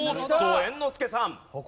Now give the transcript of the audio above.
猿之助さん。